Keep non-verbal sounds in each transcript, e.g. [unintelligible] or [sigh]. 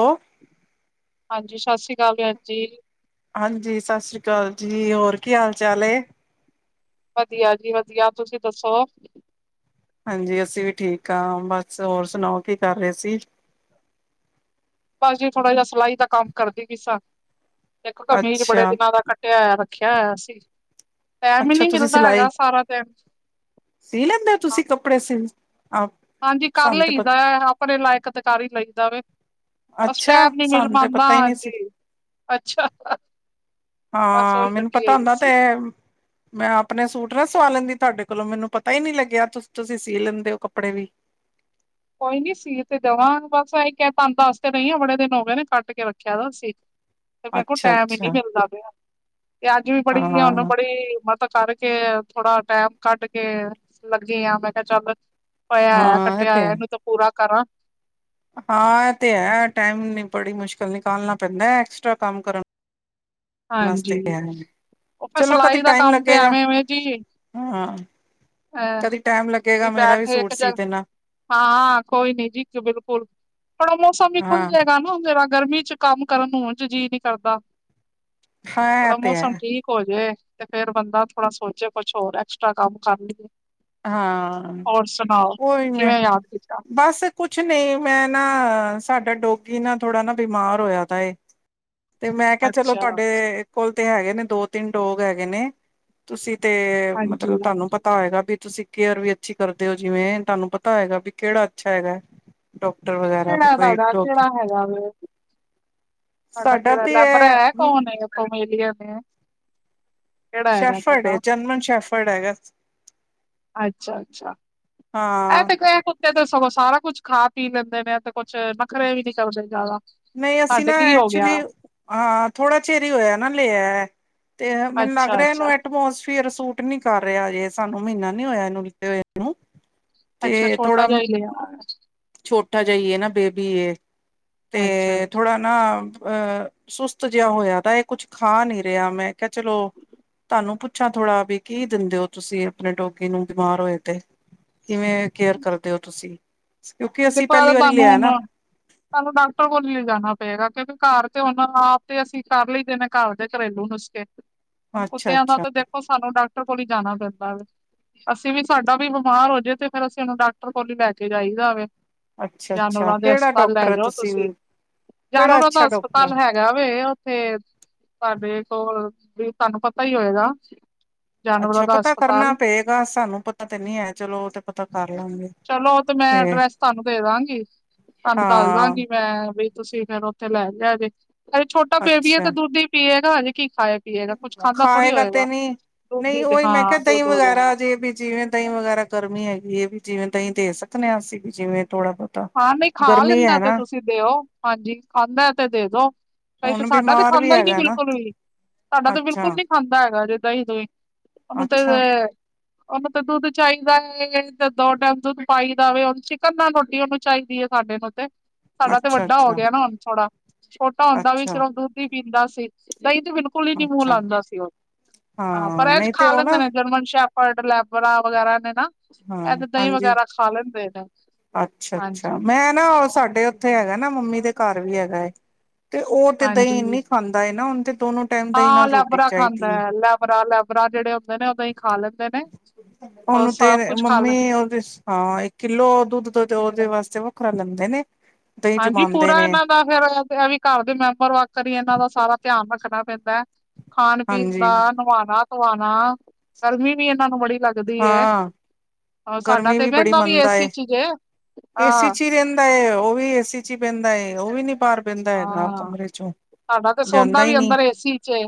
ਹੋ ਹਾਂਜੀ ਸਤਿ ਸ਼੍ਰੀ ਅਕਾਲ ਭੈ ਜੀ ਹਾਂਜੀ ਸਤਿ ਸ੍ਰੀ ਅਕਾਲ ਜੀ ਹੋਰ ਕੀ ਹਾਲ ਚਾਲ ਵਧੀਆ ਜੀ ਵਧੀਆ ਤੁਸੀਂ ਦੱਸੋ ਹਾਂਜੀ ਅਸੀਂ ਵੀ ਠੀਕ ਹਾਂ ਬਸ ਹੋਰ ਸੁਣਾਓ ਕੀ ਕਰ ਰਹੇ ਸੀ ਬਸ ਜੀ ਥੋੜਾ ਜਿਹਾ ਸਿਲਾਈ ਦਾ ਕੰਮ ਕਰਦੀ ਵੀ ਸ ਇੱਕ ਕਮੀਜ਼ ਬੜੇ ਅੱਛਾ, ਦਿਨਾਂ ਦਾ ਰੱਖਿਆ ਹੋਇਆ ਸੀ ਟਾਈਮ ਹੀ ਅੱਛਾ ਨਹੀਂੀ ਤੁਸੀਂ ਮਿਲਦਾ ਸਿਲਾਈ ਹੈਗਾ ਸਾਰਾ ਦਿਨ ਸੀ ਲੈਂਦੇ ਹੋ ਹਾਂ। ਤੁਸੀਂ ਕੱਪੜੇ ਸੀ ਹਾਂਜੀ ਕਰ ਸਾਨੂੰ ਤੇ ਲਈ ਪ ਦਾ ਆਪਣੇ ਲਾਇਕ ਦੇਕਾਰ ਹੀ ਲਈ ਦਾ ਵ ਬਸ ਅੱਛਾ, ਟੈਮ ਨੀ ਮਿਲ ਸਾਨੂੰ ਤੇ ਪਾਉਂਦਾ ਪਤਾ ਹੀ ਨਹੀਂ ਸੀ। ਹਾਂਜੀ ਅੱਛਾ ਬਸ ਹਾਂ ਉਹੀ ਮੈਨੂੰ ਲੱਗੀ ਪਤਾ ਹੋਈ ਹੁੰਦਾ ਤੇ ਸੀ। ਮੈਂ ਆਪਣੇ ਸੂਟ ਨਾ ਸਵਾ ਲੈਂਦੀ ਤੁਹਾਡੇ ਕੋਲੋਂ ਮੈਨੂੰ ਪਤਾ ਹੀ ਨਹੀਂੀ ਲੱਗਿਆ ਤੁ ਤੁਸੀਂ ਸੀ ਲੈਂਦੇ ਹੋ ਕੱਪੜੇ ਵੀ ਕੋਈ ਨੀ ਸੀਟ ਤੇ ਦੇਵਾਂ ਬਸ ਕਹਿ ਦਸਤੇ ਨਹੀਂਹੀ ਆ ਬੜੇ ਦਿਨ ਹੋ ਗਏ ਨੇ ਕੱਟ ਕੇ ਰੱਖਿਆ ਸੀਟ ਤੇ ਮੇਰੇ ਕੋਲ ਅੱਛਾ ਟੈਮ ਹੀ ਨਹੀਂੀ ਅੱਛਾ, ਮਿਲਦਾ ਪਿਆ ਤੇ ਅੱਜ ਵੀ ਬੜੀ ਉਹਨੂੰ ਹਾਂ ਬੜੀ ਮਤਲਬ ਕਰਕੇ ਥੋੜਾ ਟਾਈਮ ਕੱਟ ਕੇ ਲੱਗੀ ਆ ਮੈਂ ਕਿਹਾ ਚੱਲ ਪਿਆ ਹੋਇਆ ਹਾਂ ਇਹ ਕੱਟਿਆ ਤੇ ਹੋਇਆ ਹੈ। ਇਹਨੂੰ ਤਾਂ ਪੂਰਾ ਕਰਾਂ ਹਾਂ ਇਹ ਤੇ ਹੈ ਟਾਈਮ ਨੀ ਬੜੀ ਮੁਸ਼ਕਿਲ ਨਿਕਾਲਣਾ ਪੈਂਦਾ ਐਕਸਟਰਾ ਕੰਮ ਕਰਨ ਹਾਂਜੀ ਵਾਸਤੇ। ਉ ਫੇਰ ਚਲੋ ਕਦੀ ਸਿਲਾਈ ਦਾ ਟਾਈਮ ਕੰਮ ਤੇ ਲੱਗੇਗਾ ਐਵੇਂ ਵੇਂ ਜੀ ਹਾਂ ਹਹ ਕਦੀ ਟਾਈਮ ਲੱਗੇਗਾ ਵੀ ਮੇਰਾ ਬੈਠੇ ਸੂਟ ਇੱਕ ਸੀ ਜਗ ਦੇਣਾ ਹਾਂ ਕੋਈ ਨੀ ਜੀ ਬਿਲਕੁਲ ਹੁਣ ਉਹ ਮੌਸਮ ਵੀ ਖੁੱਲ ਹਾਂ ਜਾਏਗਾ ਨਾ ਮੇਰਾ ਗਰਮੀ ਚ ਕੰਮ ਕਰਨ ਨੂੰ ਉਂਝ ਜੀ ਨੀ ਕਰਦਾ। ਹਾਂ ਇਹ ਥੋੜਾ ਤੇ ਮੌਸਮ ਹੈ ਠੀਕ ਹੋਜੇ ਤੇ ਫੇਰ ਬੰਦਾ ਥੋੜਾ ਸੋਚੇ ਕੁਛ ਹੋਰ ਐਕਸਟਰਾ ਕੰਮ ਕਰ ਲਈਏ। ਹਾਂ ਹੋਰ ਸੁਣਾਓ ਉਹੀ ਮੈਂ ਕਿਵੇਂ ਯਾਦ ਕੀਤਾ ਬਸ। ਕੁਛ ਨਹੀਂ ਮੈਂ ਨਾ ਸਾਡਾ ਡੋਗੀ ਨਾ ਥੋੜਾ ਨਾ ਬਿਮਾਰ ਹੋਇਆ ਤਾ ਇਹ। ਤੇ ਮੈਂ ਕਿਹਾ ਚਲੋ ਅੱਛਾ ਤੁਹਾਡੇ ਕੋਲ ਤੇ ਹੈਗੇ ਨੇ ਦੋ ਤਿੰਨ ਡੋਗ ਹੈਗੇ ਨੇ। ਤੁਸੀਂ ਤੇ ਮਤਲਬ ਹਾਂਜੀ-ਹਾਂਜੀ ਤੁਹਾਨੂੰ ਪਤਾ ਹੋਏਗਾ ਵੀ। ਤੁਸੀਂ ਕੇਅਰ ਵੀ ਅੱਛੀ ਕਰਦੇ ਹੋ ਜਿਵੇਂ ਤੁਹਾਨੂੰ ਪਤਾ ਹੈਗਾ ਵੀ ਕਿਹੜਾ ਅੱਛਾ ਹੈਗਾ ਹੈ। ਡਾਕਟਰ ਵਗੈਰਾ ਵੀ ਕਿਹੜਾ ਕੋਈ। ਤੁਹਾਡਾ ਕਿਹੜਾ ਹੈਗਾ ਵੀ। ਤੁਹਾਡਾ ਸਾਡਾ ਕਿਹੜਾ ਤੇ ਲੈਬਰਾ ਹੈ ਕੌਣ ਹੈ ਪਮੈਲੀਅਨ ਹੈ। ਕਿਹੜਾ ਹੈਗਾ ਸ਼ੈਫਰਡ ਏ ਤੁਹਾਡਾ ਜਰਮਨ ਸ਼ੈਫਰਡ ਹੈਗਾ। ਅੱਛਾ ਅੱਛਾ ਹਾਂ ਐ ਤਾਂ ਗ। ਏ ਤੇ ਸਗੋਂ ਸਾਰਾ ਕੁਝ ਖਾ ਪੀ ਲੈਂਦੇ ਨੇ ਤੇ ਕੁਛ ਨਖਰੇ ਵੀ ਨੀ ਕਰਦੇ ਜ਼ਿਆਦਾ। ਨਹੀਂ ਅਸੀਂ ਨਾ ਸਾਡੇ ਕੀ ਹੋ ਗਿਆ ਐਕਚੁਲੀ। ਹਾਂ ਥੋੜਾ ਚਿਰ ਹੀ ਹੋਇਆ ਨਾ ਲਿਆ ਤੇ ਮੈਨੂੰ ਲੱਗ ਅੱਛਾ ਰਿਹਾ ਅੱਛਾ ਇਹਨੂੰ ਐਟਮੋਸਫੀਅਰ ਸੂਟ। ਟ ਨੀ ਕਰ ਰਿਹਾ ਅਜੇ ਸਾਨੂੰ ਮਹੀਨਾ ਨੀ ਹੋਇਆ ਇਹਨੂੰ ਲੀਤੇ ਹੋਏ ਨੂੰ ਅੱਛਾ ਤੇ ਛੋਟਾ ਥੋੜਾ ਜਾ ਹੀ ਲਿਆ। ਛੋਟਾ ਜਿਹਾ ਏ ਨਾ ਬੇਬੀ ਤੇ ਅੱਛਾ ਅੱਛਾ ਥੋੜਾ। ਨਾ ਅ ਸੁਸਤ ਜਿਹਾ ਹੋਇਆ ਤਾਂ ਇਹ ਕੁੱਛ ਖਾ ਨਹੀਂ ਰਿਹਾ ਮੈਂ ਕਿਹਾ ਚਲੋ ਤੁਹਾਨੂੰ ਪੁੱਛਾਂ ਥੋੜਾ ਵੀ ਕੀ ਦਿੰਦੇ ਹੋ ਤੁਸੀਂ ਆਪਣੇ ਡੋਗੀ ਨੂੰ ਬਿਮਾਰ ਹੋਏ ਤੇ। ਕਿਵੇਂ ਕੇਅਰ ਕਰਦੇ ਹੋ ਤੁਸੀਂ। ਕਿਉਂਕਿ ਅਸੀਂ ਦੇਖੋ ਏ ਤੇ ਪਹਿਲੀ ਵਾਰੀ ਤੁਹਾਨੂੰ ਲਿਆ ਨਾ ਹਣ। ਸਾਨੂੰ ਡਾਕਟਰ ਕੋਲ ਹੀ ਲੇ ਜਾਣਾ ਪਏਗਾ ਕਿਉਂਕਿ ਘਰ ਤੇ ਉਹਨਾਂ ਆਪ ਤੇ ਅਸੀਂ ਕਰ ਲਈ ਦੇ ਨੇ ਘਰ ਦੇ ਘਰੇਲੂ ਨੁਸਖੇ। ਹ [inaudible] ਹੁਣ ਕੁੱਤਿਆਂ ਦਾ ਤਾਂ ਦੇਖੋ ਸਾਨੂੰ ਡਾਕਟਰ ਕੋਲ ਹੀ ਜਾਣਾ ਪੈਂਦਾ ਵ। ਅਸੀਂ ਵੀ ਸਾਡਾ ਵੀ ਬਿਮਾਰ ਹੋ ਜਾਏ ਤੇ ਫੇਰ ਅਸੀਂ ਉਹਨੂੰ ਡਾਕਟਰ ਕੋਲ ਹੀ ਲੈ ਕੇ ਜਾਈਦਾ ਵੇ। ਅੱਛਾ ਅੱਛਾ ਜਾਨਵਰਾਂ ਦੇ ਕਿਹੜਾ ਹਸਪਤਾਲ ਡਾਕਟਰ ਲੈ ਹੈ ਜਾਓ ਤੁਸੀਂ ਕਿਹੜਾ ਜਾਨਵਰਾਂ ਅੱਛਾ ਦਾ ਡਾਕਟਰ ਹੈ? ਹਸਪਤਾਲ ਹੈਗਾ। ਜਾਵੇ ਉੱਥੇ ਤੁਹਾਡੇ ਕੋਲ ਵੀ ਤੁਹਾਨੂੰ ਪਤਾ ਹੀ ਹੋਏਗਾ। ਜਾਨਵਰਾਂ ਅੱਛਾ ਦਾ ਪਤਾ ਕਰਨਾ ਹਸਪਤਾਲ। ਪਏਗਾ ਸਾਨੂੰ ਪਤਾ ਤੇ ਨਹੀਂ ਹੈ ਚਲੋ ਉਹ ਤੇ ਪਤਾ ਕਰ ਲਾਂਗੇ। ਚਲੋ ਓ ਤੇ ਮੈਂ ਐਡਰੈਸ ਤੁਹਾਨੂੰ ਦੇ ਦਾਂਗੀ ਤੁਹਾਨੂੰ ਦੱਸ ਹਾਂ ਦਾਂਗੀ ਮੈਂ ਵੀ। ਤੁਸੀਂ ਫੇਰ ਉੱਥੇ ਲੈ ਲਿਆ ਜੇ ਅਜੇ ਛੋਟਾ ਬੇਬੀ ਏ ਤੇ ਅੱਛਾ ਦੁੱਧ ਹੀ ਪੀਏਗਾ ਹਜੇ ਕੀ ਖਾਏਗਾ। ਖਾਏਗਾ ਤੇ ਨੀ। ਦੁੱਧ ਹੀ ਨਹੀਂ ਤੇ ਉਹੀ ਮੈਂ ਕਿਹਾ ਹਾਂ ਦਹੀਂ ਦੁੱਧ ਵਗੈਰਾ ਜੇ ਬੀ ਜਿਵੇਂ ਦਹੀਂ ਵਗੈਰਾ। ਗਰਮੀ ਹੈਗੀ ਹੈ ਵੀ ਜਿਵੇਂ ਦਹੀਂ ਦੇ ਸਕਦੇ ਹਾਂ ਅਸੀਂ ਵੀ ਜਿਵੇਂ ਥੋੜ੍ਹਾ ਬਹੁਤ। ਹਾਂ ਨਹੀਂ ਖਾ ਲੈਂਦਾ ਤੇ ਤੁਸੀਂ ਦਿਓ ਹਾਂਜੀ ਖਾਂਦਾ ਤੇ ਦੇ ਦੋ। ਹੁਣ ਸਾਡਾ ਤਾਂ ਬਿਮਾਰ ਵੀ ਖਾਂਦਾ ਹੀ ਨੀ ਹੈਗਾ ਨਾ ਬਿਲਕੁਲ ਵੀ ਸਾਡਾ ਤਾਂ ਅੱਛਾ ਬਿਲਕੁਲ ਨੀ ਖਾਂਦਾ ਹੈਗਾ ਦਹੀਂ ਦੁਹੀਂ। ਮਤਲ ਅੱਛਾ ਏ। ਉਹਨੂੰ ਤਾਂ ਦੁੱਧ ਚਾਹੀਦਾ ਹੈ ਤੇ ਦੋ ਟੈਮ ਦੁੱਧ ਪਾਈ ਦਾ ਵੇ ਉਹਨੂੰ ਚਿਕਨ ਦਾ ਰੋਟੀ ਉਹਨੂੰ। ਚਾਹੀਦੀ ਹੈ ਸਾਡੇ ਨੂੰ ਤੇ ਸਾਡਾ ਤੇ ਅੱਛਾ ਵੱਡਾ ਹੋ ਅੱਛਾ ਗਿਆ ਨਾ ਹੁਣ ਥੋੜਾ ਛੋਟਾ ਹੁੰਦਾ ਵੀ ਅੱਛਾ ਸਿਰਫ ਦੁੱਧ। ਪੀਂਦਾ ਸੀ ਦਹੀਂ ਤੇ ਬਿਲਕ। ਕੁਲ ਹੀ ਨੀ ਮੂੰਹ ਅੱਛਾ ਲਉਂਦਾ ਸੀ ਉਹ ਹਾਂ ਪਰ ਇਹ ਨਹੀਂ ਤੇ ਖਾ ਉਹ ਲੈਂਦੇ ਨਾ ਨੇ ਜਰਮਨ ਸ਼ਾ। ਪਰਡ ਲੈਬਰਾ ਵਗੈਰਾ ਨੇ ਨਾ ਹਾਂ ਇਹ ਤੇ ਦਹੀਂ ਹਾਂਜੀ ਵਗੈਰਾ ਖਾ ਲੈਂਦੇ ਨੇ। ਅੱਛਾ ਅੱਛਾ ਹਾਂਜੀ ਮੈਂ ਨਾ ਸਾਡੇ ਉੱਥੇ ਹੈਗਾ ਨਾ ਮੰਮੀ ਦੇ ਘਰ ਵੀ ਹੈਗਾ ਏ। ਤੇ ਉਹ ਤੇ ਦਹੀਂ ਹਾਂਜੀ ਇੰਨੀ ਖਾਂਦਾ ਹੈ ਨਾ ਓਨੂੰ ਤੇ ਦੋਨੋ। ਟਾਈਮ ਦਹੀਂ ਹਾਂ ਨਾਲ ਰੋਟੀ ਲੈਬਰਾ ਖਾਂਦਾ ਚਾਹੀਦੀ ਹੈ ਲੈਬਰਾ ਲੈਬਰਾ ਜਿਹੜੇ। ਨੇ ਓਹ ਦਹੀ ਖਾ ਲੈਂਦੇ ਨੇ ਉਹ ਸਭ ਕੁਛ ਖਾ ਲੈਂਦੇ। ਓਦੇ। ਹਾਂ ਇੱਕ ਕਿੱਲੋ ਦੁੱਧ ਤੇ ਉਹਦੇ ਵਾਸਤੇ ਵੱਖਰਾ ਲੈਂਦੇ ਨੇ। ਦਹੀਂ ਹਾਂਜੀ ਜਮਾਂਦੇ ਪੂਰਾ ਨੇ ਇਹਨਾਂ ਦਾ ਫੇਰ ਇਹ ਵੀ ਘਰ ਦੇ ਮੈਂਬਰ ਵੱਖ ਹੀ ਇਹਨਾਂ ਦਾ ਸਾਰਾ ਧਿਆਨ ਰੱਖਣਾ ਪੈਂਦਾ ਹੈ। ਖਾਣ-ਪੀਣ ਹਾਂਜੀ ਦਾ, ਨ੍ਹਵਾਣਾ-ਧ੍ਹਵਾਣਾ ਗਰਮੀ ਵੀ ਇਹਨਾਂ ਨੂੰ ਬੜੀ ਲੱਗ ਲੱਗਦੀ ਏ, ਹਾਂ ਸਾਡਾ ਗਰਮੀ ਤੇ ਬੜੀ ਬਹਿਂਦਾ ਵੀ ਮੰਨਦਾ ਏਸੀ'ਚ ਈ, ਏ। ਤੇ, ਉਹ ਵੀ ਏਸੀ'ਚ ਬੇਂਦਾ ਏ, ਉਹ ਵੀ ਨੀ ਬਾਹਰ ਪੇਂਦਾ ਹੈਗਾ ਹਾਂ ਕਮਰੇ'ਚੋਂ ਸਾਡਾ ਤੇ ਜਾਂਦਾ ਸੌਦਾ ਹੀ ਵੀ ਨਹੀਂ‌। ਅੰਦਰ ਏਸੀ ਚ ਏ,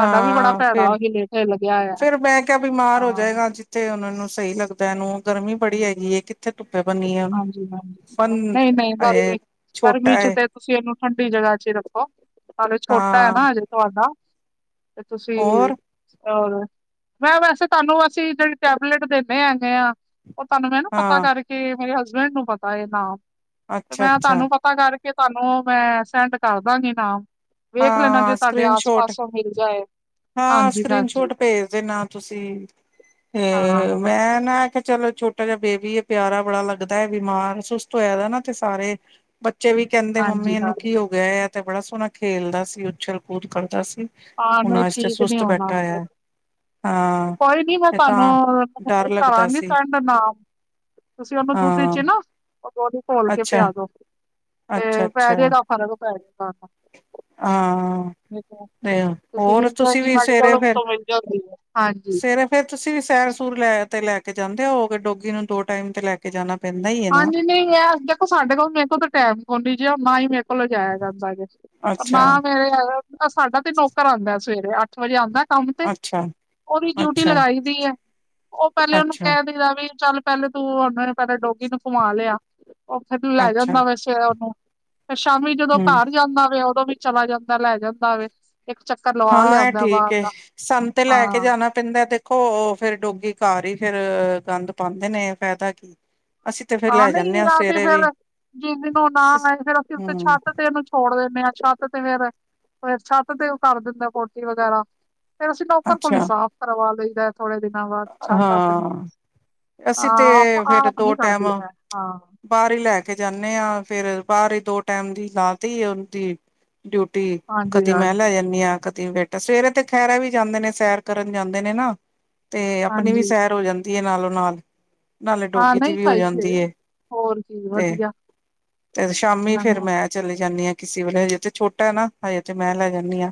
ਹਾਂ, ਫਿਰ। ਰ, ਲੱਗਿਆ ਹੋਇਆ। ਫਿਰ, ਮੈਂ ਕਿਹਾ ਬਿਮਾਰ ਹੋ ਹਾਂ ਜਾਏਗਾ, ਜਿੱਥੇ ਉਹਨਾ ਨੂੰ ਸਹੀ ਲੱਗਦਾ ਇਹਨੂੰ, ਗਰਮੀ ਬੜੀ ਹੈਗੀ ਹੈ, ਕਿ ਕਿੱਥੇ ਧੁੱਪੇ ਬਣੀਏ ਓਹਨੁ, ਹਾਂਜੀ ਹਾਂਜੀ ਪਨ, ਨਹੀਂ ਨਹੀਂ ਏ, ਗਰਮੀ ਗਰਮੀ ਛੋਟਾ ਚ ਏ। ਤੇ ਤੁਸੀਂ ਇਹਨੂੰ ਠੰਡੀ ਜਗ੍ਹਾਚ ਹੀ ਰੱਖੋ, ਨਾਲੇ ਛੋਟਾ ਹਾਂ। ਹੈਨਾ, ਹਜੇ ਤੁਹਾਡਾ ਤੇ, ਤੁਸੀ ਹੋਰ ਔਰ, ਮੈਂ ਵੈਸੇ ਤੁਹਾਨੂੰ, ਅਸੀਂ ਜਿਹੜੀ ਟੈਬਲੇਟ ਦਿੰਨੇ ਹੈਗੇ ਆ ਉਹ ਤੁਹਾਨੂੰ ਮੈਂ ਨਾ ਪਤਾ ਹਾਂ ਕਰਕੇ, ਮੇਰੇ ਹਸਬੈਂਡ ਨੂੰ ਪਤਾ ਇਹ ਨਾਮ, ਤੇ, ਮੈਂ ਅੱਛਾ-ਅੱਛਾ ਤੁਹਾਨੂੰ ਪ ਤਾ ਕਰਕੇ ਤੁਹਾਨੂੰ, ''ਮੈਂ ਸੈਂਡ ਕਰਦਾਂਗੀ ਨਾਮ। ਵੇਖ ਲੈਣਾ ਹਾਂ। ਜੇ ਤੁਹਾਡੇ ਆਸ ਸਕ੍ਰੀਨ-ਸ਼ੋਟ। ਪਾਸੋਂ ਮਿਲ ਜਾਏ ਹਾਂ, ਹਾਂਜੀ ਹਾਂਜੀ ਸਕ੍ਰੀਨ-ਸ਼ੋਟ ਭੇਜ ਦੇ ਨਾ, ਤੁਸੀਂ। ਹਾਂ ਤੇ, ਮੈਂ, ਨਾ ਆਖਿਆ ਚਲੋ ਛੋਟ ਛੋਟਾ ਜਾ ਬੇਬੀ ਏ, ਪਿਆਰਾ ਬੜਾ ਲੱਗਦਾ ਹੈ ਬਿਮਾਰ, ਸੁਸਤ ਹੋਇਆਦਾ ਨਾ ਤੇ ਸਾਰੇ ਬੱਚੇ ਵੀ ਕਹਿੰਦੇ, ਮੰਮੀ ਹਾਂਜੀ ਇਹਨੂੰ ਹਾਂਜੀ ਕੀ ਹੋਗਿਆ। ਐ, ਤੇ ਬੜਾ ਸੋਹਣਾ ਖੇਲਦਾ ਸੀ, ਉੱਛਲ-ਕੂਦ ਕਰਦਾ ਸੀ। ਹਾਂ ਹੁਣ, ਨਹੀਂ ਆਜ ਤੇ ਠੀਕ ਨੀ ਸੁਸਟ ਹੋਣਾ ਬੈਠਾ ਫਿਰ। ਹੋਇਆ, ਹਾਂ। ਕੋਈ ਨੀ ਮੈਂ ਤੇ ਤਾਂ ਤੁਹਾਨੂੰ, ਡਰ [inaudible] ਲੱਗਦਾ ਕਰਾਂਗੀ ਸੀ ਤੁਹਾਡ ਨਾਮ। ਤੁਸੀਂ ਉਹਨੂੰ ਦੁੱਧ'ਚ ਹਾਂ ਈਚ ਨਾਂ, ਓ ਗੋਲੀ ਘੋਲਕੇ ਅੱਛਾ ਪਿਆ ਦੋ। ਤੇ, ਅੱਛਾ ਅੱਛਾ ਪੈਜੇਗਾ ਫਰਕ [unintelligible] ਹਾਂ ਤੁਸੀ ਤੇ ਕਿਹਾ ਹੋਰ ਤੁਸੀਂ ਵੀ ਸਵੇਰੇ ਸਾਡੇ ਫੇਰ [inaudible] ਸਵੇਰੇ ਫੇਰ ਤੁਸੀਂ ਵੀ ਸੈਰ-ਸੂਰ ਲੈ, ਤੇ ਲੈਕੇ ਜਾਂਦੇ ਹੋ, ਹੋਗੇ ਡੋਗੀ ਨੂੰ? ਦੋ ਟਾਈਮ ਤੇ ਲੈ ਕੇ, ਜਾਣਾ ਪੈਂਦਾ ਈ ਹਾਂਜੀ, ਨਹੀਂ, ਐਸ ਸਾਡੇ ਕੋਲ, ਮੇਰੇ ਕੋਲ ਤਾਂ ਟੈਮ ਕੋ ਨੀ, ਜੋ, ਨਾਂ ਹੀ ਮੇਰੇ ਕੋਲੋ ਲਿਜਾਇਆ ਜਾਂਦਾ ਦੇ, ਅੱਛਾ ਨਾਂ, ਮੇਰੇ ਅਗਰ ਸਾਡਾ ਤੇ ਨੌਕਰ ਆਂਦਾ ਸਵੇਰੇ, ਅੱਠ-ਵਜੇ ਆਂਦਾ ਕੰਮ ਤੇ ਅੱਛਾ ਉਹਦੀ ਡਿਊਟੀ ਅੱਛਾ ਲਗਾਈ ਦੀ ਹੈ, ਉਹ, ਪਹਿਲੇ ਉਹਨੂੰ ਅੱਛਾ ਕਹਿ ਦਈਦਾ ਵੀ, ਚੱਲ ਪਹਿਲੇ ਤੂੰ ਉਹਨਾਂ ਨੇ ਪਹਿਲੇ ਡੋਗੀ ਨੂੰ ਘੁੰਮਾ ਲਿਆ, ਓ ਫਿਰ ਲੈ ਅੱਛਾ ਜਾਂਦਾ ਦੇ, ਸਵੇਰੇ ਉਹਨੂੰ। ਫਿਰ ਸ਼ਾਮੀ ਜਦੋਂ ਹਮ ਘਰ ਜਾਂਦਾ ਵੇ, ਉਦੋਂ ਵੀ ਚਲਾ ਜਾਂਦਾ, ਲੈ ਜਾਂਦਾ ਵੇ, ਇੱਕ ਚੱਕਰ ਲਵਾ ਹਾਂ, ਐ ਲਿਆਂਦਾ ਠੀਕ ਬਾਹਰ ਏ, ਦਾ ਸਾੰਨ ਤੇ ਲੈਕੇ ਹਾਂ। ਜਾਣਾ ਪੈਂਦਾ, ਦੇਖੋ, ਉਹ ਫਿਰ ਡੋਗੀ ਘਰ ਹੀ ਫਿਰ, ਗੰਦ ਪਾਂਦੇ ਨੇ, ਫਾਇਦਾ ਕੀ। ਅਸੀਂ ਤੇ ਫੇਰ ਆਹ ਲੈ ਜਾਂਦੇ ਨਹੀਂ, ਹਾਂ ਆ ਤੇ ਸਵੇਰੇ ਵੀ ਫਿਰ ਜਿਨ ਨੂੰ, ਨਾ ਏ, ਫਿਰ ਅਸੀਂ ਉੇਤੇ ਹਮ ਛੱਤ ਤੇ ਓਹਨੁੰ ਛੋੜ ਦਿੰਨੇ ਆ ਛੱਤ ਤੇ ਫਿਰ, ਫਿਰ ਛੱਤ ਤੇ ਉਹ ਕਰ ਦਿੰਦਾ, ਪੋਟੀ ਵਗੈਰਾ। ਫਿਰ, ਅਸੀਂ ਨੌਕਰ ਕੋਲੋ ਹੀ ਅੱਛਾ ਸਾਫ਼ ਕਰਵਾ ਲਈਦਾ। ਥੋੜੇ ਦਿਨਾਂ ਬਾਅਦ ਛੱਤ ਆਪਣੀ, ਹਾਂ ਅਸੀਂ ਤੇ ਫੇਰ ਆ--ਆਪ ਦੋ ਨਹੀਂ ਕਰਦੀ। ਟਾਈਮ ਮੈਂ ਹਾਂ। ਬਾਹਰ ਹੀ ਲੈਕੇ ਜਾਂਨੇ ਹਾਂ, ਫਿਰ, ਬਾਹਰ ਹੀ ਦੋ-ਟੈਮ ਦੀ ਲਾਤੀ ਉਹਦੀ। ਡਿਊਟੀ। ਹਾਂਜੀ ਕਦੀ ''ਮੈਂ ਲੈ ਹਾਂਜੀ ਜਾਂਨੀ ਆਂ, ਕ ਬੈਠਾ ਸਵੇਰੇ ਤੇ ਖਹਿਰ ਐ ਵੀ ਜਾਂਦੇ ਨੇ, ਸੈਰ ਕਰਨ ਜਾਂਦੇ ਨੇ ਨਾ, ਤੇ ਅਪਣੀ ਵੀ ਹਾਂਜੀ ਸੈਰ ਹੋ ਜਾਂ ਤੀਏ, ਨਾਲੋਂ-ਨਾਲ, ਨਾਲੇ ਹਾਂ ਡੋਗੀ ਦੀ ਨਹੀਂ ਵੀ ਹੋ ਸਹੀ ਜਾਂਦੀ ਏ। ਹੋਰ ਕੀ। ਤੇ, ਵਧੀਆ ਤੇ ਸ਼ਾਮੀ ਇਹਨਾਂ ਫੇਰ ਨੂੰ ਮੈਂ ਚਲੇ ਜਾਂਨੀ ਹਾਂ ਕਿਸੀ ਵੇਲੇ, ਹਜੇ ਤੇ ਛੋਟਾ ਹੈਨਾ, ਹਜੇ ਤੇੇ ਮੈਂ, ਲੈ ਜਾਂਨੀ ਆਂ।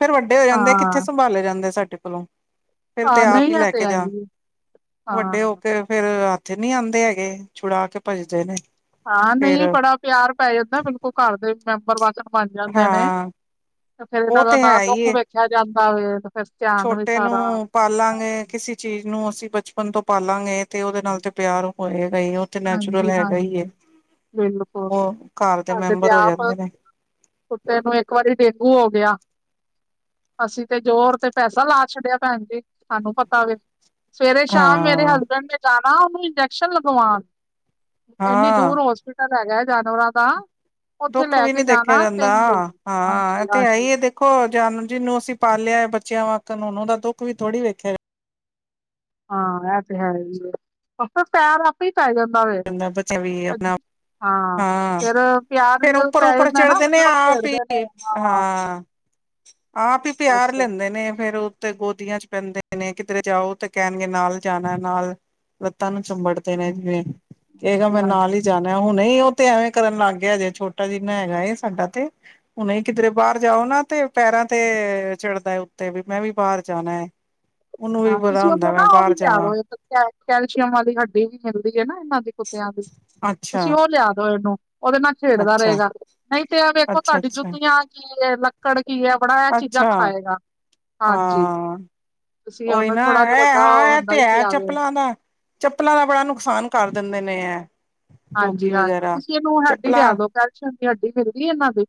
ਫਿਰ ਵੱਡੇ ਹੋ ਜਾਂਦੇ, ਕਿੱਥੇ ਹਾਂ ਸੰਭਾਲੇ ਜਾਂਦੇ ਸਾਡੇ ਕੋਲੋਂ। ਫਿਰ ਤੇ ਹਾਂ ਆਪ ਹੀ ਨਹੀਂ ਆ ਤੇ ਲੈਕੇ ਜਾਨ, ਆਈ ਵੱਡੇ ਹਾਂ ਹੋਕੇ ਫਿਰ ਥੇ ਨੀ ਆਉਂਦੇ ਹੈਗੇ, ਛੁੜਾਕੇ ਭੱਜਦੇ ਨੇ। ਹਾਂ, ਫੇਰ ਨਹੀਂ ਬੜਾ ਪਿਆਰ ਪੈ ਜਾਂਦਾ। ਬਿਲਕੁਲ ਘਰ ਦੇ ਮੈਂਬਰ ਵਾਂਗ। ਬਣ ਜਾਂਦੇ ਨੇ, ਹਾਂ ਤੇ ਫਿਰ ਇਹਨਾਂ ਉਹ ਦਾ ਤੇ ਨਾਂ ਹੈ ਹੀ ਦੁੱਖ ਏ। ਵੇਖਿਆ ਜਾਂਦਾ ਵੇ ਫਿਰ ਧਿਆਨ ਵੀ ਛੋਟੇ ਸਾਰਾ ਨੂੰ ਪਾਲਾਂਗੇ ਕਿਸੇ ਚੀਜ਼ ਨੂੰ ਅਸੀਂ ਬਚਪਨ ਤੋਂ ਪਾਲਾਂਗੇ ਤੇ ਓੱਦੇ ਨਾਲ ਤੇ ਪਿਆਰ ਹੋਏਗਾ ਈ ਨੈਚੁਰਲ ਹਾਂਜੀ ਹੈਗਾ ਈ ਹਾਂਜੀ ਏ, ਬਿਲਕੁਲ ਓ ਘਰ ਦੇ ਸਾਡੇ ਤੇ ਮੈਂਬਰ ਹੋ ਆਪ ਜਾਂਦੇ ਨੇ। ਕੁੱਤੇ ਨੂੰ ਇੱਕ ਵਾਰੀ ਡੇਂਗੂ ਹੋ ਗਿਆ। ਅਸੀਂ ਤੇ ਜ਼ੋਰ ਤੇ ਪੈਸਾ ਲਾ ਛੱਡਿਆ ਭੈਣ ਜੀ ਸਾਨੂੰ ਪਤਾ ਵੇ। ਸਵੇਰੇ-ਸ਼ਾਮ ਮੇਰੇ ਹਾਂ ਹਸਬੈਂਡ ਨੇ ਜਾਣਾ ਉਨੂੰ ਇੰਜੈਕਸ਼ਨ ਲਗਵਾਣ। ਇੰਨੀ ਹਾਂ ਦੂਰ ਹੋਸਪਿਟਲ ਹੈਗਾ ਜਾਨਵਰਾਂ ਦਾ ਉੱਥੇ ਦੁੱਖ ਲੈ ਵੀ ਨੀ ਕੇ ਦੇਖਿਆ ਜਾਣਾ ਜਾਂਦਾ, ਤਿੰਨ ਦਿਨ ਹਾਂ, ਹਾਂਜੀ ਐਤੇ ਹੈ ਹੀ ਹਾਂਜੀ ਏ ਦੇ ਖੋ ਜਾਨਵਰ ਜਿਨੂੰ ਅਸੀਂ ਪਾਲਿਆ ਬੱਚਿਆਂ ਵਾਕਨ ਹੁਣ ਓਦਾ ਦੁੱਖ ਵੀ ਥੋੜੀ ਵੇਖਿਆ ਹਾਂ, ਐ ਤੇ ਹੈ ਹੀ ਏ ਆਪ ਪੈਰ ਆਪੇ ਈ ਪੈ ਜਾਂਦਾ ਵੇ। ਬੱਚਾ ਵੀ ਆਪਣਾ ਹਾਂ, ਫੇਰ ਪਿਆਰ ਫੇਰ ਜਦੋ ਉੱਪਰ ਪੈ ਉੱਪਰ ਜਾਂਦਾ ਨਾ ਚੜ੍ਹਦੇ ਨੇ ਜਦੋਂ ਆਪ ਖੇੜਦੇ ਨੇ, ਹੀ ਹਾਂ। ਆਪ ਈ ਪਿਆਰ ਬਸ। ਲੈਂਦੇ ਨੇ ਫੇਰ ਓ ਤੇ ਗੋਦੀਆਂ ਚ ਪੈਂਦੇ ਨੇ, ਕਿਦਰੇ ਜਾਓ ਤੇ ਕਹਿਣਗੇ ਨਾਲ ਜਾਣਾ ਨਾਲ ਲੱਤਾਂ ਨੂੰ ਚੰਬੜ ਦੇ ਨੇ ਜਿਵੇਂ ਕੇਗਾ ਮੈਂ ਨਾਲ ਹਾਂਜੀ-ਹਾਂਜੀ ਈ ਜਾਣਾ ਹੁਣੇ ਈ ਓ ਤੇ ਐਵੇਂ ਕਰਨ ਲੱਗ ਗਿਆ ਜੇ ਛੋਟਾ ਜਿੱਨਾ ਹੈਗਾ ਏ ਸਾਡਾ ਤੇ ਹੁਨੇ ਕਿਦਰੇ ਬਾਰ ਜਾਓ ਨਾ ਤੇ ਪੈਰਾਂ ਤੇ ਚੜਦਾ ਉੱਤੇ ਵੀ ਮੈਂ ਵੀ ਬਾਰ ਜਾਣਾ। ਉਹਨੂੰ ਵੀ ਹਾਂ, ਬੜਾ ਤੁਸੀਂ ਓਨੁ ਹੁੰਦਾ ਨਾ ਮੈਂ ਓ ਵੀ ਬਾਹਰ ਜਾਵਾਂ ਲਿਆਦੋ ਇੱਕ ਕੈ ਕੈਲਸ਼ੀਅਮ ਵਾਲੀ ਹੱਡੀ ਵੀ ਮਿਲਦੀ ਐ ਨਾ ਇਹਨਾਂ ਦੀ ਕੁੱਤਿਆਂ ਦੀ ਅੱਛਾ ਤੁਸੀਂ ਉਹ ਲਿਆ ਦੋ ਇਹਨੂੰ ਓਦੇ ਨਾਲ ਖੇਡਦਾ ਅੱਛਾ ਰੇਗਾ ਨਈ ਤੇ ਐ ਵੇਖੋ ਅੱਛਾ ਤੁਆਡੀ ਅੱਛਾ ਜੁੱਤੀਆਂ ਕੀ ਕੜਕੀ ਐ, ਬੜਾ ਐ ਚੀਜ਼ਾਂ ਅੱਛਾ ਖਾਏਗਾ, ਹਾਂਜੀ। ਤੁਸੀਂ ਉਈ ਉਹਨੂੰ ਨਾ ਥੋੜਾ ਜਿਹਾ ਐ ਤਾ ਵੱਡਾ ਹਾਂ ਐ ਹੁੰਦਾ ਤੇ ਹੀ ਹੈ ਪਿਆਵੇ ਚੱਪਲਾਂ ਦਾ ਚੱਪਲਾਂ ਦਾ ਬੜਾ ਨੁਕਸਾਨ ਕਰ ਦਿੰਦੇ ਨੇ ਐ। ਟੋਕੀ ਹਾਂਜੀ, ਹਾਂ ਵਗੈਰਾ ਤੁਸੀਂ ਇਹਨੂੰ ਹੱਡੀ ਲਿਆ ਚੱਪਲਾਂ ਦੋ ਪੈਲਸ਼ਅਮ ਦੀ ਹੱਡੀ ਮਿਲਦੀ ਇਹਨਾਂ ਦੀ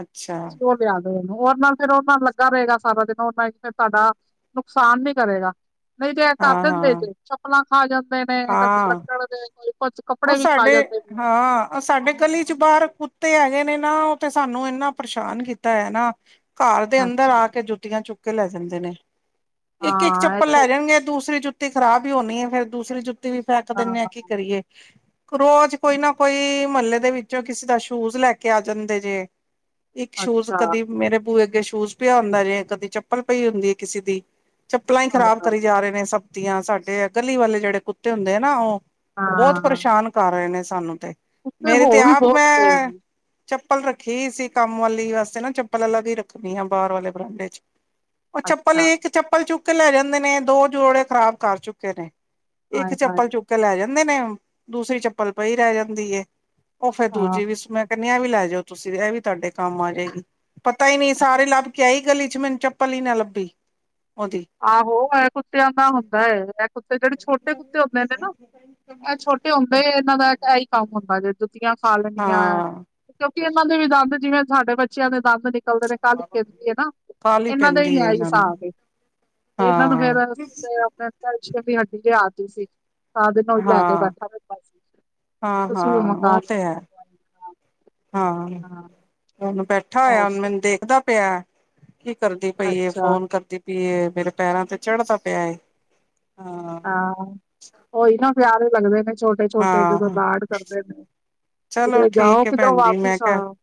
ਅੱਛਾ। ਲਿਆਦੋ। ਉਦੇ ਨਾਲ ਫਿਰ ਉਹ ਨਾਲ ਲੱਗਾ ਰਏਗਾ ਸਾਰਾ ਦਿਨ ਉਹ ਨਾਲ ਫਿਰ ਸਾਡਾ ਨੁਕਸਾਨ ਨੀ ਕਰੇਗਾ। ਨਈ ਤੇੇ ਐ ਕਰ ਹਾਂ ਦਿੰਦੇ ਹਾਂ ਜੇ ਚੱਪਲਾਂ ਖਾ ਜਾਂਦੇ ਨੇ ਕਦੇ ਲਕੜ ਦੇ ਕੋਈ ਕੋਛ। ਓ ਸਾਡੇ ਹਾਂ ਓ ਸਾਡੇ ਗਲੀ ਚ ਬਾਰ ਕੁੱਤੇ ਹੈਗੇ ਨੇ ਨਾ ਓ ਤੇ ਸਾਨੂੰ ਇੰਨਾ ਪਰੇਸ਼ਾਨ ਕੀਤਾ ਹੋਯਾ ਨਾ ਘਰ ਦੇ ਅੰਦਰ ਅੱਛਾ ਆ ਕੇ ਜੁੱਤੀਆਂ ਚੁੱਕ ਕੇ ਲੈ ਜਾਂਦੇ ਨੇ। ਇੱਕ-ਇੱਕ ਹਾਂ ਇਹ ਚੱਪਲ ਛੋ ਲੈ ਜਾਣਗੇ ਦੂਸਰੀ ਜੁੱਤੀ ਖ਼ਰਾਬ ਈ ਹੋਣੀ ਐ ਫੇਰ, ਦੂਸਰੀ ਜੁੱਤੀ ਵੀ ਫੇਕ ਹਾਂ ਦਿੰਦੇ ਆ। ਕੀ ਕਰੀਏ? ਰੋਜ਼ ਕੋਈ ਨਾ ਕੋਈ ਮਹੱਲੇ ਦੇ ਵਿੱਚੋਂ ਕਿਸੇ ਦਾ ਸ਼ੂਜ ਲੈ ਕੇ ਆ ਜਾਂਦੇ ਜੇ ਇੱਕ ਸ਼ੂਜ ਅੱਛਾ ਕਦੀ ਮੇਰੇ ਬੂਏ ਅੱਗੇ ਸ਼ੂਜ ਪਿਆ ਹੁੰਦਾ ਜੇ ਕਦੀ ਚੱਪਲ ਪਈ ਹੁੰਦੀ ਕਿਸੇ ਦੀ ਚੱਪਲਾਂ ਈ ਹਾਏ ਖਰਾਬ ਕਰੀ ਹਾਏ ਜਾ ਰਹੇ ਨੇ ਸਬ ਦੀਆਂ ਸਾਡੇ ਗਲੀ ਵਾਲੇ ਜੇੜੇ ਕੁੱਤੇ ਹੁੰਦੇ ਆ ਨਾ ਓ। ਬੌਤ ਹਾਂ ਪਰੇਸ਼ਾਨ ਕਰ ਰਏ ਨੇ ਸਾਨੂੰ ਤੇ ਕੁੱਤੇ ਮੇਰੇ ਤੇ ਹੋ ਵੀ ਆਪ ਬਹੁਤ ਗਏ ਮੈਂ ਨੇ ਚੱਪਲ ਰੱਖੀ ਸੀ ਕੰਮ ਵਾਲੀ ਵਾਸਤੇ ਨਾ ਚੱਪਲ ਅਲਗ ਈ ਰੱਖਣੀ ਆ ਬਾਰ ਆਲੇ ਬਰਾਂਡੇ ਚ ਓ ਚੱਪਲ ਅੱਛਾ ਈ ਇੱਕ ਚੱਪਲ ਚੁੱਕ ਕੇ ਲੈ ਜਾਂਦੇ ਨੇ, ਦੋ ਜੋੜੇ ਖ਼ਰਾਬ ਕਰ ਚੁੱਕੇ ਨੇ। ਇੱਕ ਹਾਏ ਹਾਏ ਚੱਪਲ ਚੁੱਕ ਕੇ ਲੈ ਜਾਂਦੇ ਨੇ, ਦੂਸਰੀ ਚੱਪਲ ਪਈ ਰੈ ਜਾਂਦੀ ਏ। ਓ ਫਿਰ ਹਾਂ ਦੂਜੀ ਵੀ ਮੈਂ ਕੈਨੀ ਆ ਐ ਵੀ ਲੈ ਜਾਓ ਤੁਸੀਂ ਐਵੀ ਤੁਆਡੇ ਕੰਮ ਆ ਜੇਗੀ। ਪਤਾ ਈ ਨੀ ਸਾਰੇ ਲੱਬ ਕੇ ਆਈ ਗਲੀ ਚ ਮੈਨੂੰ ਚੱਪਲ ਈ ਨਾ ਲੱਬੀ ਓਦੀ। ਆਹੋ! ਐ ਕੁੱਤਿਆਂ ਦਾ ਹੁੰਦਾ ਐ, ਐ ਕੁੱਤੇ ਜੇੜੇ ਛੋਟੇ ਕੁੱਤੇ ਹੁੰਦੇ ਨੇ ਨਾ ਐ ਛੋਟੇ ਹੁੰਦੇ, ਇਹਨਾਂ ਦਾ ਇਹੀ ਕੰਮ ਹੁੰਦਾ ਜੇ ਜੁੱਤੀਆਂ ਖਾ ਲੈਣੀਆਂ ਹਾਂ। ਕਿਉਂਕਿ ਇਹਨਾਂ ਦੇ ਵੀ ਦੰਦ, ਜਿਵੇਂ ਸਾਡੇ ਬੱਚਿਆਂ ਦੇ ਦੰਦ ਨਿ ਕਲਦੇ ਨੇ, ਕਾਹਲੀ ਪੈਂਦੀ ਏ ਨਾ ਕਾਹਲੀ ਇਹਨਾਂ ਦਾ ਪੈਂਦੀ ਈ ਹੈ ਐਈ ਇਹਨਾਂ ਨੂੰ ਸਾਬ ਏ ਤੇ ਇਹਨਾਂ ਨੂੰ ਫੇਰ ਹਾਂ। ਅਸੀਂ ਤੇ ਅਪਣੇ ਕੈਲਸ਼ੀਅਮ ਦੀ ਹੱਡੀ ਲਿਆ ਤੀ ਸੀ ਸਾਰਾ ਦਿਨ ਓਈ ਲੈ ਕੇ ਹਾਂ ਬੈਠਾ ਲੈਂਦਾ ਸੀ ਤੇ ਹਾਂ ਤੁਸੀਂ ਓ ਹਾਂ ਮੰਗਾ ਉਹ ਲਿਓ। ਤੇ ਹੈ ਹਾਂ, ਹੁਣ ਬੈਠਾ ਹੋਰ ਹੋਇਆ, ਮੈਨੂੰ ਦੇਖਦਾ ਪਿਆ ਕੀ ਕਰਦੀ ਪਈ ਏ, ਅੱਛਾ ਫੋਨ ਕਰਦੀ ਪੀ ਏ, ਮੇਰੇ ਪੈਰਾਂ ਤੇ ਚੜਦਾ ਪਿਆ ਏ, ਹਾਂ। ਹਾਂ, ਉਹੀ ਨਾ ਪਿਆਰੇ ਲੱਗਦੇ ਨੇ, ਛੋਟੇ ਛੋਟੇ ਜਦੋਂ ਹਾਂ ਲਾਡ ਕਰਦੇ ਨੇ। ਚਲੋ ਕਿਧਰੇ ਜਾਓ ਠੀਕ ਹੈ ਕਿਧਰੋਂ ਭੈਣ ਜੀ ਮੈਂ ਵਾਪਿਸ ਕਿਹਾ ਆਓ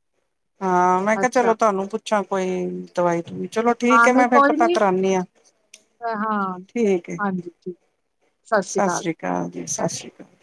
ਹਾਂ ਮੈਂ ਕਿਹਾ ਅੱਛਾ ਚਲੋ ਤੁਹਾਨੂੰ ਪੁੱਛਾਂ ਕੋਈ ਦਵਾਈ ਦਵੂ ਚਲੋ ਹਾਂ ਠੀਕ ਹੈ ਮੈਂ ਨਹੀਂ ਫਿਰ ਕੋਈ ਪਤਾ ਨੀ ਕਰਾਂਦੀ ਹਾਂ ਹਾਂ ਹਾਂਜੀ ਠੀਕ ਸਤਿ ਸ੍ਰੀ ਅਕਾਲ ਜੀ ਸਤਿ ਸ੍ਰੀ ਅਕਾਲ